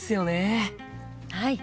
はい。